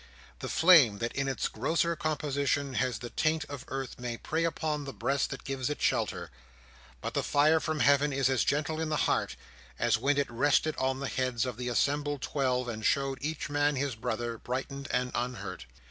The flame that in its grosser composition has the taint of earth may prey upon the breast that gives it shelter; but the fire from heaven is as gentle in the heart, as when it rested on the heads of the assembled twelve, and showed each man his brother, brightened and unhurt.